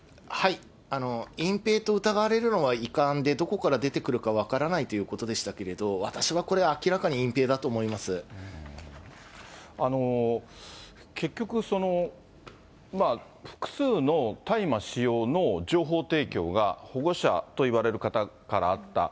隠蔽と疑われるのは遺憾で、どこから出てくるのか分からないということでしたけど、私はこれ結局、複数の大麻使用の情報提供が保護者といわれる方からあった。